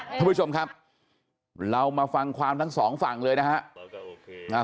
ท่านผู้ชมครับเรามาฟังความทั้งสองฝั่งเลยนะฮะ